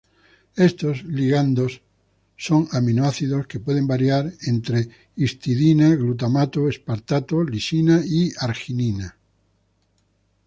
Estos ligandos son aminoácidos que pueden variar entre histidina, glutamato, aspartato, lisina y arginina.